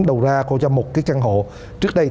đầu ra của một cái căn hộ trước đây